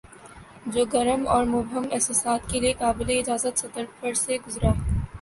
جو گرم اور مبہم احساسات کے لیے قابلِاجازت سطر پر سے گزرا